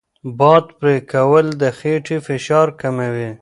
باد پرې کول د خېټې فشار کموي.